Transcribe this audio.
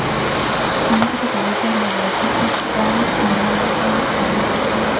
Su música favorita es la de artistas Prince y Michael Franks.